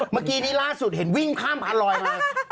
เมื่อกี้นี้ล่าสุดเห็นวิ่งข้ามพาลอยมา